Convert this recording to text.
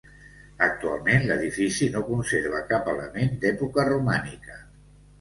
Actualment l'edifici no conserva cap element d'època romànica.